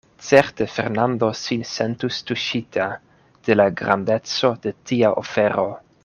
Certe Fernando sin sentus tuŝita de la grandeco de tia ofero.